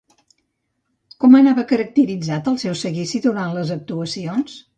Com anava caracteritzat el seu seguici durant les actuacions?